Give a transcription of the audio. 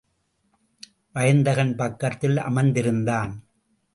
வயந்தகன் பக்கத்தில் அமர்ந்திருந்தான்.